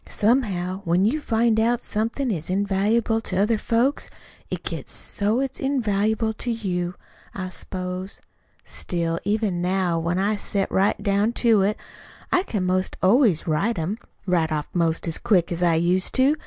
Somehow, when you find out somethin' is invaluable to other folks, it gets so it's invaluable to you, I s'pose. Still, even now, when I set right down to it, I can 'most always write 'em right off 'most as quick as I used to.